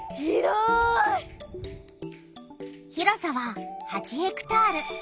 広さは８ヘクタール。